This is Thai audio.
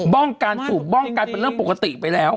้องการสูบบ้องกันเป็นเรื่องปกติไปแล้ว